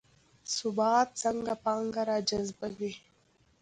ثبات څنګه پانګه راجذبوي؟